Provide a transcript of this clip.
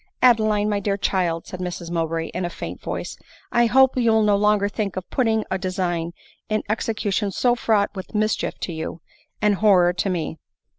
" Adeline, my dear child," said Mrs Mowbray, in a faint voice, " I hope you will no longer think of putting a design in execution so fraught with mischief to you, and horror to me.